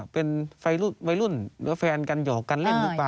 เป็นวัยรุ่นหรือแฟนกันหยอกกันเล่นหรือเปล่า